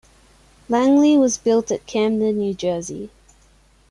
"Langley" was built at Camden, New Jersey.